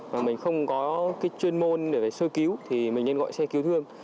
mà mình không có cái chuyên môn để phải sôi cứu thì mình nên gọi xe cứu thương